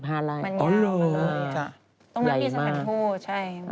อ๋อเหรอใหญ่มากตรงนั้นมีสำคัญผู้